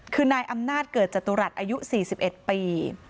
คือนายอำนาจเกิดจตุรัสอายุ๔๑ปี